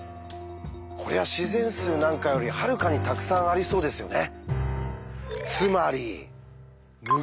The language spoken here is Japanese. こりゃ自然数なんかよりはるかにたくさんありそうですよね。